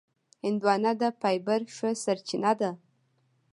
هندوانه د فایبر ښه سرچینه ده.